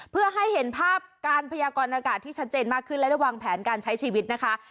เพื่อให้เห็นภาพการพยากรณากาศที่ชัดเจนมากขึ้นและระวังแผนการใช้ชีวิตนะคะ